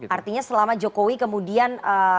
artinya selama jokowi kemudian